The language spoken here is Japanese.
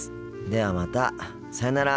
ではまたさようなら。